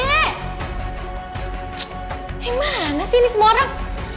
eh mana sih ini semua orang